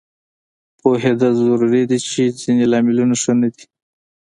پوهېدل ضروري دي چې ځینې لاملونه ښه نه دي